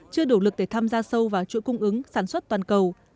chưa đủ lực để tham gia sâu vào chuỗi cung ứng sản xuất toàn cầu